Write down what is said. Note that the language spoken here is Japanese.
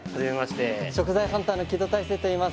食材ハンターの木戸大聖といいます。